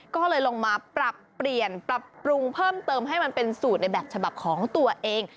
ก็เลยลงมาปรับเปลี่ยนปรับปรุงเพิ่มเติมให้มันเป็นสูตรในแบบฉบับของตัวเอง